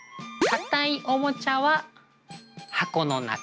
かたいおもちゃは箱の中。